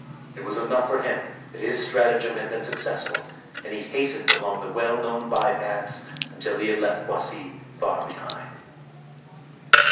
It was enough for him that his stratagem had been successful, and he hastened along the well known by paths until he had left Boissy far behind.